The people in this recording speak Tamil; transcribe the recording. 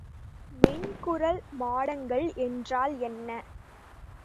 மென்குரல் மாடங்கள் என்றால் என்ன?